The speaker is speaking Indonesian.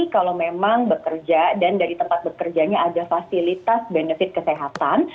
kalau memang bekerja dan dari tempat bekerjanya ada fasilitas benefit kesehatan